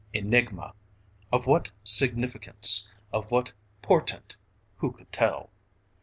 Enigma! Of what significance, of what portent who could tell?